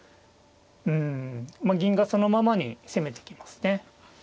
うんまあ銀がそのままに攻めてきますね。